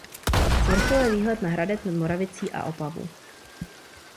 Z vrcholu je výhled na Hradec nad Moravicí a Opavu.